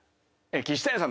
岸谷さん！